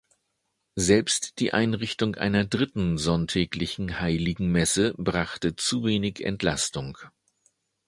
Selbst die Einrichtung einer dritten sonntäglichen Heiligen Messe brachte zu wenig Entlastung.